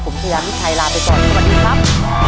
ผมชายามิชัยลาไปก่อนสวัสดีครับ